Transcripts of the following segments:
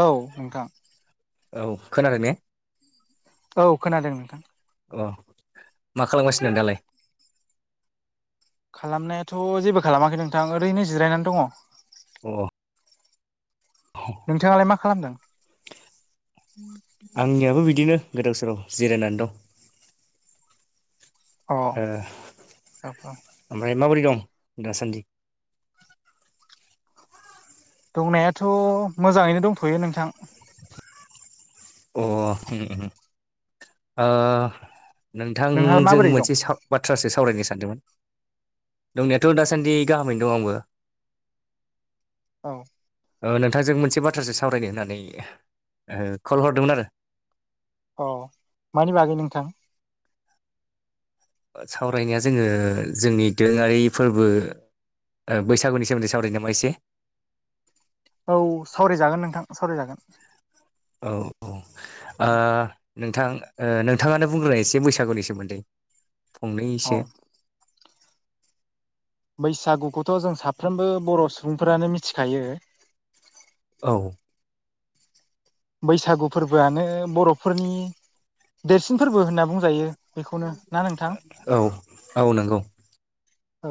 औ नोंथां औ खोनादों ने औ खोनादों नोंथां अ मा खालामगासिनो दं दालाय खालामनायाथ' जेबो खालामाखै नोंथां ओरैनो जिरायनानै दङ अ औ नोंथाङालाय मा खालामदों आंनियाबो बिदिनो गोदाव सोराव जिरायनानै दं अ औ औ ओमफ्राय माबोरै दं दासान्दि दंनायाथ' मोजाङैनो दंथ'यो नोंथां अ नोंहा नोंथांजों माबोरै दं मोनसे साव बाथ्रासो सावरायनो सानदोंमोन दंनायाथ' दासान्दि गाहामैनो दं आंबो [inaudible] औ नोंथांजों मोनसे बाथ्रासो सावरायनो होननानै कल हरदोंमोन आरो अ मानि बागै नोंथां सावरायनाया जोङो जोंनि दोरोङारि फोरबो बैसागुनि सोमोन्दै सावरायनो नामा एसे औ सावरायजागोन नोंथां सावरायजागोन औ औ नोंथां नोंथाङानो बुंग्रोनाय एसे बैसागुनि सोमोन्दै औ फंनैसो बैसागुखौथ' जों साफ्रोमबो बर' सुबुंफोरानो मिथिखायो औ बैसागु फोरबोआनो बर'फोरनि देरसिन फोरबो होनना बुंजायो बेखौनो ना नोंथां औ औ नंगौ औ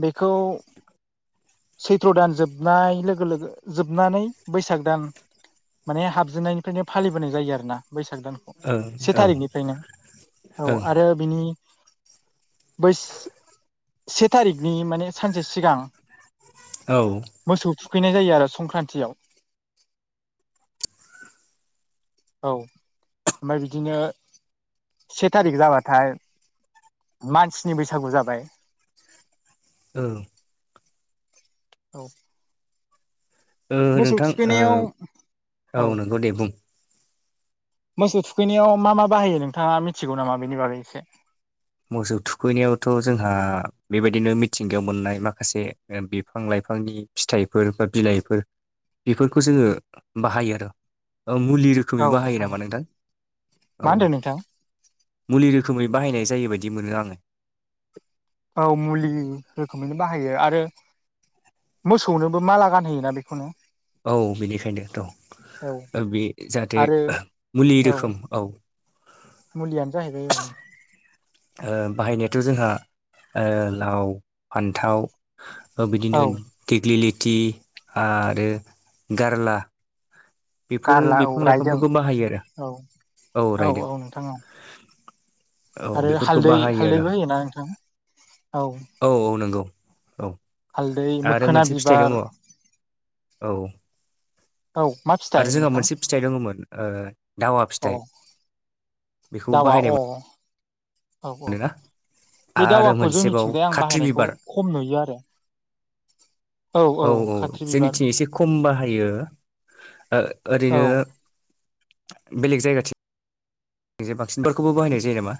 बेखौ सैथ्र' दान जोबनाय लोगो लोगो जोबनानै बैसाग दान माने हाबजेननायनिफ्रायनो फालिबोनाय जायो आरो ना बैसाग दानखौ ओं से औ थारिखनिफ्रायनो औ आरो बिनि बैस से थारिखनि माने सानसे सिगां औ मोसौ थुखैनाय जायो आरो संक्रान्तिआव औ ओमफ्राय बिदिनो से थारिख जाबाथाय मानसिनि बैसागु जाबाय औ औ मोसौ नोंथां थुखैनायाव औ नंगौ दे बुं मोसौ थुखैनायाव मा मा बाहायो नोंथाङा मिथिगौ नामा बेनि बागै एसे मोसौ थुखैनायावथ' जोंहा बेबायदिनो मिथिंगायाव मोननाय माखासे बिफां लाइफांनि फिथाइफोर बा बिलाइफोर बेफोरखौ जोङो बाहायो आरो मुलि रुखुमै बाहायो नामा नोंथां मा औ होनदों नोंथां मुलि रोखोमै बाहायनाय जायो बायदि मोनो आङो औ मुलि रोखोमैनो बाहायो आरो मोसौनोबो माला गानहयोना बेखौनो औ बेनिखायनो औ द' बे जाहाथे आरो मुलि औ रोखोम औ मुलियानो जाहैबाय औ बाहायनायाथ' जोंहा लाव फान्थाव बिदिनो औ दिग्लिलिटि आरो गारला बेफोर गारला औ बिफां रायदों लाइफांफोरखौ बाहायो आरो औ औ रायदों औ आरो बेफोरखौ हालदै बाहायो हालदैबो होयोना नोंथां औ औ-औ नंगौ औ हालदै आरो मोखोना मोनसे फिथाइ बिबार दङ औ औ मा फि आरो जोंहा मोनसे फिथाइ दङमोन दावा फिथाइ बेखौबो दावआ बाहायनाय अ औ-औ मोनोना बे आरो दावाखौ मोनसेबाव जोंनिथिंजाय आं खाथ्रि बाहायनायखौ बिबार खम नुयो आरो औ औ-औ औ खाथ्रि बिबार जोंनिथिं एसे खम बाहायो औ ओरैनो बेलेग जाया। बेे बांसिनफोरखौबो बाहायनाय जायो नामा?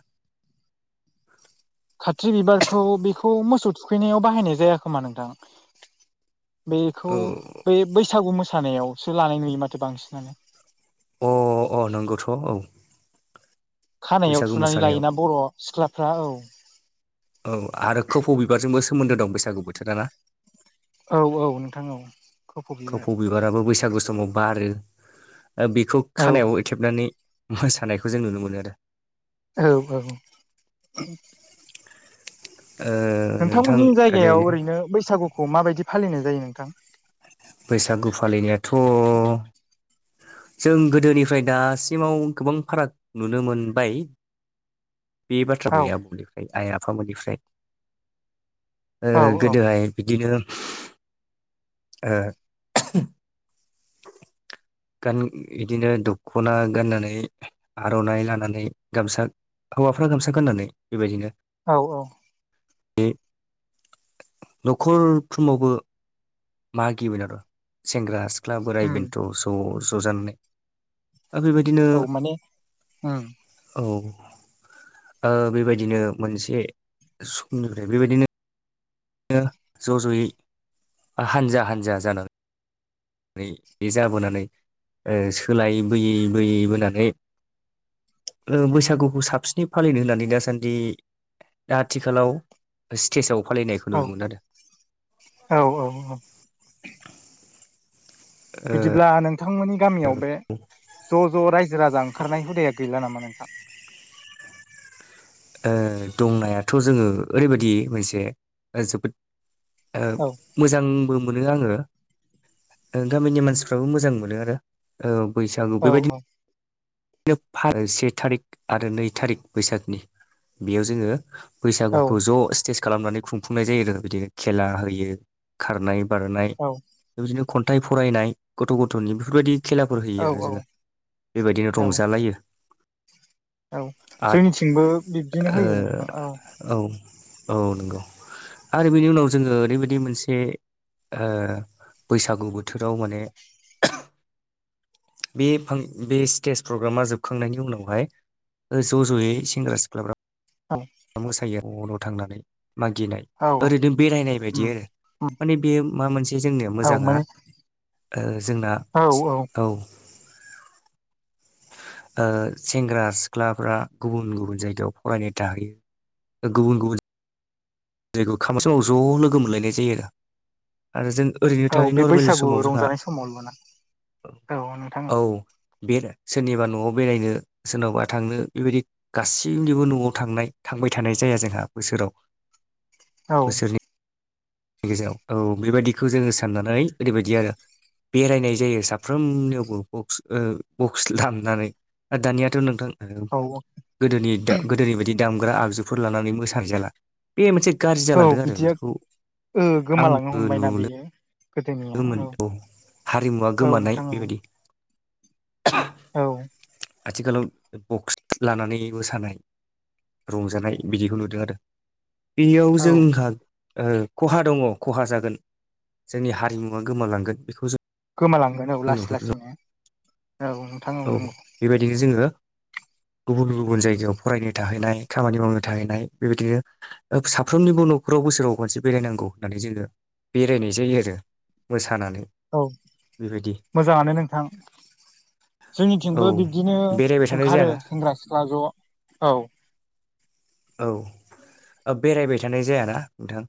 खाथ्रि बिबारखौ बेखौ मोसौ थुखैनायाव बाहायनाय जाय खोमा नोंथां? बेखौ बे बैसागु मोसानायावसो लानाय नुयो माथो बांसिनानो। अ अ नंगौथ' औ। खानायाव बैसागु थुनानै मोसानायाव लायोना बर' सिख्लाफ्रा औ। औ आरो खोफौ बिबारजोंबो सोमोन्दो दं बैसागु बोथोर ना औ-औ नोंथां औ खोफौ बिबार बिबाराबो बैसागु समाव बारो बेखौ औ खानायाव थेबनानै। मोसानायखौ जों नुनो मोनो आरो। औ-औ ओ नोंथांमोननि जायगायाव ओरैनो बैसागुखौ माबायदि फालिनाय जायो नोंथां। बैसागु फालिनायाथ' जों गोदोनिफ्राय दासिमाव गोबां फाराग नुनो मोनबाय। बे बाथ्रा औ गोै आबुंनिफ्राय आइ-आफामोननिफ्राय ओ औ औ गोदोहाय बिदिनो ओ गान बिदिनो दखना गाननानै आर'नाइ लानानै गामसा हौवाफ्रा गामसा गाननानै बेबायदिनो‌ औ औ। उम न'खरफ्रोमावबो मागियोमोन आरो सेंग्रा सिख्ला बोराय उम बेन्थ' ज' ज'जानानै। दा बेबायदिनो औ माने उम औ ओ बेबायदिनो मोनसे समनिफ्राय बेबायदिनो ओ ज' ज'यै हानजा हानजा जाना नै जाबोनानै सोलाय बोयै बोयै बोनानै ओ बैसागुखौ साबसिनै फालिनो होननानै दासान्दि दा आथिखालाव स्टेजाव फालिनायखौ औ नुनो मोनो आरो। औ औ औ। बिदिब्ला नोंथांमोननि गामियाव बे ज' ज' रायजो राजा ओंखारनाय हुदाया गैला नामा नोंथां। ओ दंनायाथ' जोङो ओरैबायदि मोनसे जोबोद ओ औ मोजांबो मोनो आङो गामिनि मानसिफ्राबो मोजां मोनो आरो। औ बैसागु औ बेबायदि से थारिक आरो नै थारिक बैसागनि बेयाव जोङो औ बैसागुखौ ज' स्टेज खालामनानै खुंफुंनाय जायो आरो बिदिनो खेला होयो। खारनाय बारनाय औ बेबायदिनो खन्थाइ फरायनाय गथ' गथ'नि बेफोरबायदि खेला फोर औ होयो आरो जोङो बेबायदिनो औ रंजालायो। औ आरो जोंनिथिंबो बिब्दिनो होयो नोंथां औ। औ औ नंगौ आरो बेनि उनाव जोङो ओरैबायदि मोनसे ओ बैसागु बोथोराव माने बे बे स्टेज प्रग्रामा जोबखांनायनि उनावहाय ओ ज' ज'यै सेंग्रा सिख्लाफ्रा औ। मोसायो न' न' थांनानै मागिनाय औ ओरैनो बेरायनाय बायदि उम आरो उम माने बेयो माबा मोनसे जोंनि औ माने मोजाङा जोंना औ। ओ सेंग्रा सिख्लाफ्रा गुबुन गुबुन जायगायाव फरायनो थाहैयो। गुबुन गुबुन जायखौ [unintelligible] समाव ज' लोगो मोनलायनाय जायो आरो। आरो जों ओरैनो औ थानाय बे नरमेल बैसागु समाव जोंहा रंजानाय समावल' ना औ नोंथां औ बे आरो सोरनिबा न'आव बेरायनो सोरनावबा थांनो बेबायदि गासैनिबो न'आव थांनाय थांबाय थानाय जाया जोंहा बोसोराव औ बोसोरनि गेजेराव औ बेबायदिखौ जोङो साननानै ओरैबायदि आरो बेरायनाय जायो साफ्रोमनियावबो बक्स ओ बक्स दामनानै दानियाथ' नोंथां औ औ गोदोनि गोदोनि बायदि दामग्रा आगजुफोर लानानै मोसा जाला बे मोनसे गाज्रि औ जालांदों आरो बिदिया बेखौ ओ गोमालांनो आंबो हमबायना नुनो बेयो मोन औ हारिमुवा औ गोमानाय नोंथां औ बेबायदि औ आथिखालाव बक्स लानानै मोसानाय रंजानाय बिदिखौ नुदों आरो बेयाव औ जोंहा ओ खहा दङ खहा जागोन जोंनि हारिमुवा गोमालांगोन बेखौ जों गोमालांगोन औ लासै नुहुरो लासैनो औ नोंथां औ नंगौ बेबायदिनो जोङो गुबुन गुबुन जायगायाव फरायनो थाहैनाय खामानि मावनो थाहैनाय बेबायदिनो साफ्रोमनिबो न'खराव बोसोराव मोनसे बेरायनांगौ होननानै जोङो बेरायनाय जायो आरो मोसानानै औ बेबायदि मोजाङानो नोंथां औ जोंनिथिंबो बिब्दिनो बेरायबाय थानाय ओंखारो जायाना सेंग्रा सिख्ला ज' औ औ बेरायबाय थानाय जायाना नोंथां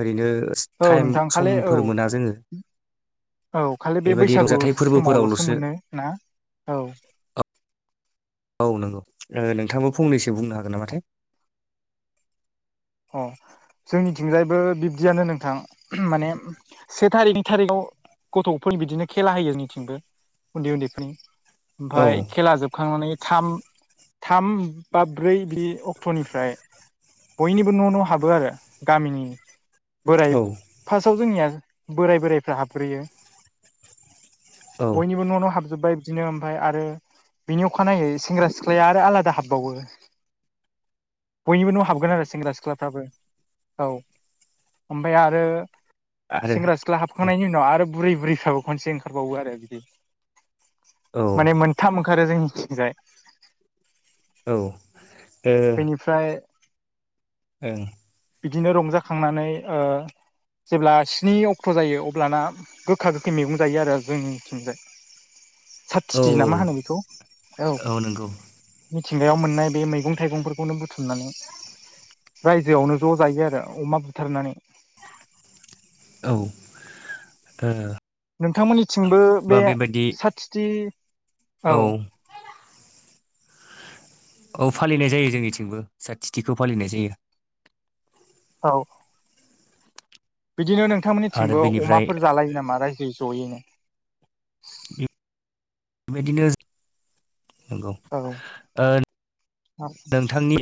ओरैनो औ नोंथां खाललि औ दा जोङो औ खालि बे बेबायदि बैसागु रंजाथाइ समावल'सो फोरबोफोरावल'सो मोनो ना औ औ नंगौ नोंथांबो फंनैसो बुंनो हागोन नामाथाय अ जोंनिथिंजायबो बिब्दियानो नोंथां माने से थारिखनि थारिखाव गथ'फोरनि बिदिनो खेला होयो जोंनिथिंबो उनदै उनदैफोरनि औ ओमफ्राय खेला जोबखांनानै थाम थाम बा ब्रै बे अक्ट'निफ्राय बयनिबो न' न' हाबो आरो गामिनि बोराय औ फार्स्टयाव जोंनिया बोराय बोराइफ्रा हाबग्रोयो औ बयनिबो न' नाव हाबजोब्बाय बिदिनो ओमफ्राय आरो बिनि अखानायै सेंग्रा सिख्लाया आरो आलादा हाबबावो बयनिबो न' हाबगोन आरो सेंग्रा सिख्लाफ्राबो औ ओमफ्राय आरो सेंग्रा आरो सिख्ला सिख्ला औ हाबखांनायनि उनाव आरो बुरै बुरैफ्राबो खनसे ओंखारबावो आरो बिदि औ माने थाम ओंखारो जोंनिजाय औ ओ फ्राय ओं बिदिनो रंजाखांनानै ओ जेब्ला स्नि अक्ट' जायो अब्लाना गोखा गोखै मैगं जायो आरो जोंनिथिंजाय औ सातथिथि ना मा होनो बेखौ औ मिथिंगायाव मोननाय बे मैगं थाइगंफोरखौनो बुथुमनानै रायजोयावनो ज' जायो आरो अमा बुथारनानै औ ओ नोंथांमोननिथिंबो बा बे बेबायदि साथिथि औ औ फालिनाय जायो जोंनिथिंबो साथथिथिखौ फालिनाय जायो औ बिदिनो आरो नोंथांमोननिथिंबो बेनिफ्राय अमाफोर जालायो नामा रायजोयै ज'यैनो बेबायदिनो नंगौ औ ओ औ नोंथांनि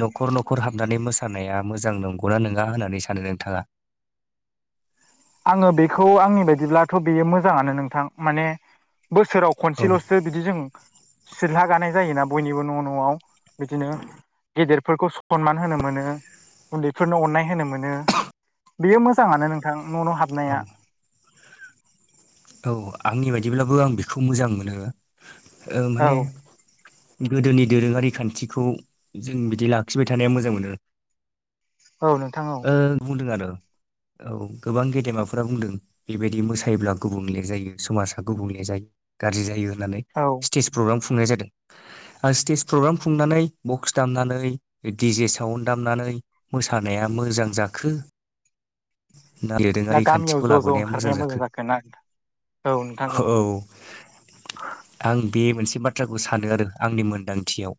न'खर न'खर हाबनानै मोसानाया मोजां नंगौना नङा होननानै सानो नोंथाङा आङो बेखौ आंनि बायदिब्लाथ' बेयो मोजाङानो नोंथां माने बोसोराव औ खनसेल'सो बिदि जों सिलला गानाय जायोना बयनिबो न' न'आव बिदिनो गेदेरफोरखौ सनमान होनो मोनो उनदैफोरनो अननाय होनो मोनो बेयो मोजाङानो नोंथां न' न' औ हाबनाया औ आंनि बायदिब्लाबो आं बेखौ मोजां मोनो ओ माने औ गोदोनि दोरोङारि खानथिखौ जों बिदि लाखिबाय थानाया मोजां मोनो औ नोंथां औ ओ बुंदों आरो औ गोबां गेदेमाफोरा बुंदों बेबायदि मोसायोब्ला गुबुंले जायो समाजा गुबुंले जायो गाज्रि जायो होननानै औ स्टेज प्रग्राम खुंनाय जादों स्टेज प्रग्राम खुंनानै बक्स दामनानै डि जे साउन्ड दामनानै मोसानाया मोजां जाखो ना दोरोंङारि गामियाव खान्थिखौ ज' ज' लाबोनाया मोजां ओंखारनाया जाखो जागोन ना औ नोंथां औ आं बे मोनसे बाथ्राखौ सानो आरो आंनि मोनदांथियाव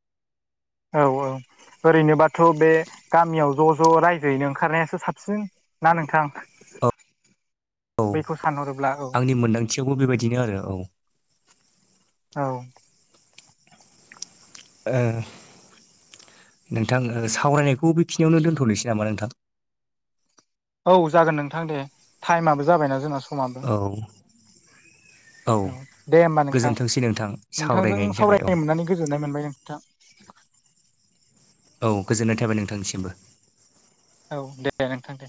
औ औ ओरैनोबाथ' बे गामियाव ज' ज' रायजोयैनो ओंखारनायासो साबसिन ना नोंथां औ औ बैखौ सानहरोब्ला औ आंनि मोनदांथियावबो बेबायदिनो आरो औ औ नोंथां सावरायनायखौ बेखिनियावनो दोनथ'नोसै नामा नोंथां औ जागोन नोंथां दे टाइमाबो जाबायना जोंना समाबो औ औ दे होमबा नोंथां गोजोनथोंसै नोंथां नोंथांजों सावरायनायनि थाखाय औ सावरायनो मोननानै गोजोन्नाय मोनबाय नोंथां औ गोजोननाय थाबाय नोंथांनिसिमबो औ दे दे नोंथां दे